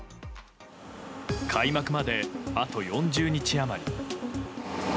開幕まで、あと４０日余り。